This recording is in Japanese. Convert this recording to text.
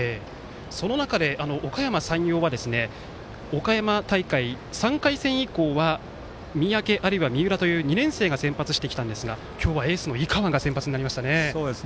その中で、おかやま山陽は岡山大会、３回戦以降は三宅、あるいは三浦という２年生が先発してきたんですが今日はエースの井川が先発になりましたね。